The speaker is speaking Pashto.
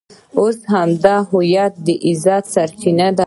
اوس همدا هویت د عزت سرچینه ده.